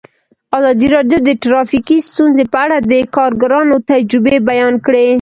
ازادي راډیو د ټرافیکي ستونزې په اړه د کارګرانو تجربې بیان کړي.